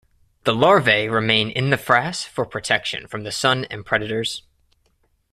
The larvae remain in the frass for protection from the sun and predators.